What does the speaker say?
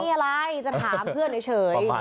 นี่อะไรจะถามเพื่อนเฉย